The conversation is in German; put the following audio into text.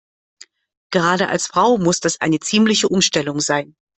Gerade als Frau muss das eine ziemliche Umstellung sein.